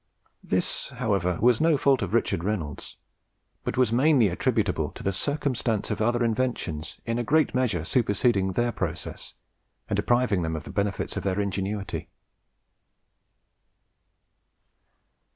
This, however, was no fault of Richard Reynolds, but was mainly attributable to the circumstance of other inventions in a great measure superseding their process, and depriving them of the benefits of their ingenuity.